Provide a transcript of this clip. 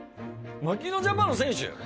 槙野ジャパンの選手⁉